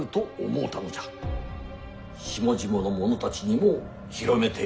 下々の者たちにも広めてやろうと。